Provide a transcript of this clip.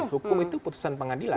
hukum itu putusan pengadilan